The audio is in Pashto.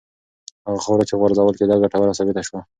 هغه خاوره چې غورځول کېده ګټوره ثابته شوه.